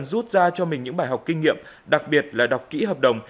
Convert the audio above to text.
rút ra cho mình những bài học kinh nghiệm đặc biệt là đọc kỹ hợp đồng